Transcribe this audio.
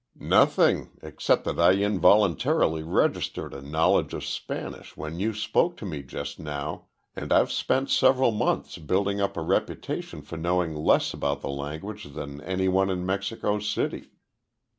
"Nothing except that I involuntarily registered a knowledge of Spanish when you spoke to me just now, and I've spent several months building up a reputation for knowing less about the language than anyone in Mexico City.